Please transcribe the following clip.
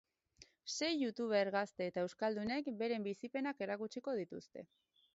Sei youtuber gazte eta euskaldunek beren bizipenak erakutsiko dituzte.